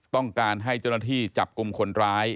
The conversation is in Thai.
ต้องการให้เจ้าหน้าที่จับกลุ่มคนร้าย